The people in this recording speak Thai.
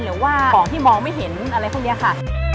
หรือว่าของที่มองไม่เห็นอะไรพวกนี้ค่ะ